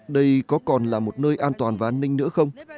đây có còn là một nơi an toàn và an ninh nữa không